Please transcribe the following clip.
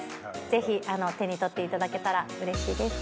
ぜひ手に取っていただけたらうれしいです。